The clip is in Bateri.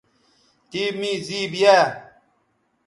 تِے می زِیب یاء